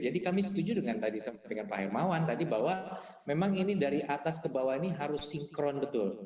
jadi kami setuju dengan pak hermawan tadi bahwa memang ini dari atas ke bawah ini harus sinkron betul